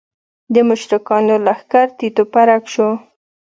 د مشرکانو لښکر تیت و پرک شو.